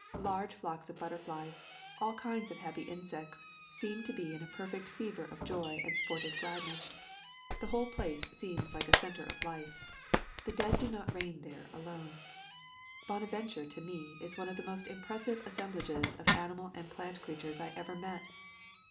Large flocks of butter [ 68 ] HVNNVAVS 'AUDLAWAD AUNLINAAVNOG NI Camping among the Tombs flies, all kinds of happy insects, seem to be in a perfect fever of joy and sportive gladness. The whole place seems like a center of life. The dead do not reign there alone. Bonaventure to me is one of the most impres sive assemblages of animal and plant creatures I ever met.